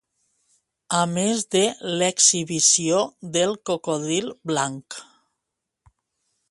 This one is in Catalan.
A més de l'exhibició del cocodril blanc.